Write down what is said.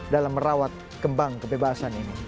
dalam merawat kembang kebebasan ini